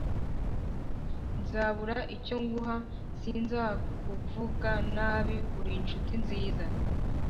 Nzabura icyonguha sinzakuvuga nabi urinshuti nziza